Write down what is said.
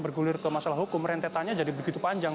bergulir ke masalah hukum rentetannya jadi begitu panjang